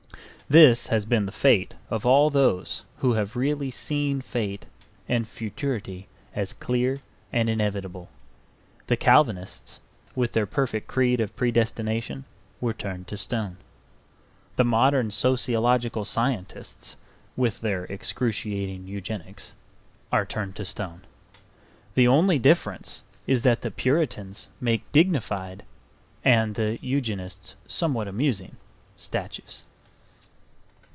This has been the fate of all those who have really seen fate and futurity as clear and inevitable. The Calvinists, with their perfect creed of predestination, were turned to stone. The modern sociological scientists (with their excruciating Eugenics) are turned to stone. The only difference is that the Puritans make dignified, and the Eugenists somewhat amusing, statues.